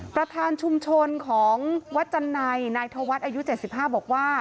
ประธานชุมชนของวัดจันไนนายธวัฒน์อายุ๗๕บอกว่า